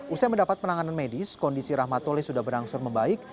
usai mendapat penanganan medis kondisi rahmat tole sudah berangsur membaik